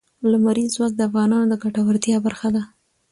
لمریز ځواک د افغانانو د ګټورتیا برخه ده.